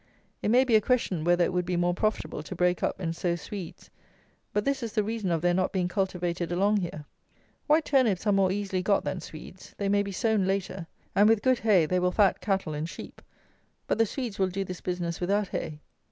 It may be a question whether it would be more profitable to break up and sow Swedes; but this is the reason of their not being cultivated along here. White turnips are more easily got than Swedes; they may be sown later; and, with good hay, they will fat cattle and sheep; but the Swedes will do this business without hay.